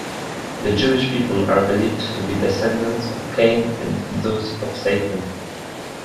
The Jewish people are believed to be descendants of Cain and thus of Satan.